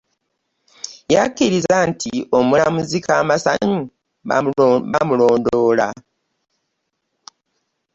Yakkiriza nti omulamuzi Kamasanyu baamulondoola